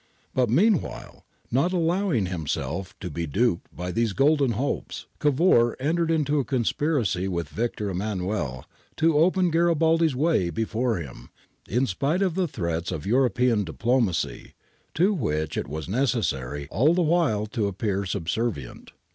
^ But meanwhile, not allowing himself to be duped by these golden hopes, Cavour entered into a conspiracy with Victor Emmanuel to open Garibaldi's way before him, in spite of the threats of European diplomacy, to which it was necessary all the while to appear subservient.